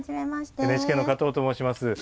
ＮＨＫの加藤と申します。